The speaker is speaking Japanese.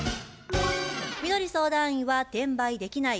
みどり相談員は「転売できない」